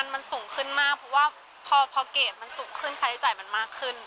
มันสูงขึ้นมากเพราะว่าพอเกรดมันสูงขึ้นค่าใช้จ่ายมันมากขึ้น